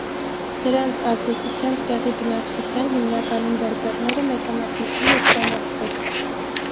Նրանց ազդեցությամբ տեղի բնակչության (հիմնականում բերբերները) մեծամասնությունը իսլամացվեց։